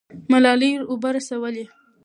ملالۍ اوبه رسولې.